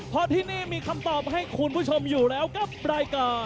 เพราะที่นี่มีคำตอบให้คุณผู้ชมอยู่แล้วกับรายการ